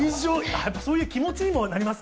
そういう気持ちになりますか。